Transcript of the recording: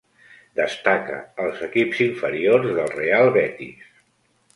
Destaca als equips inferiors del Real Betis.